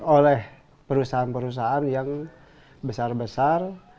oleh perusahaan perusahaan yang besar besar